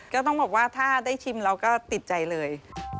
ก็ต้องบอกว่าถ้าได้ชิมเราก็ติดใจเลย